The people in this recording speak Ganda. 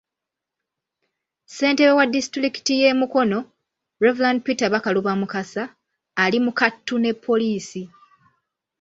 Ssentebe wa disitulikiti y'e Mukono, Reverand Peter Bakaluba Mukasa, ali mu kattu ne pollisi.